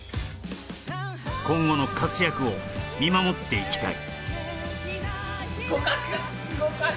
今後の活躍を見守っていきたい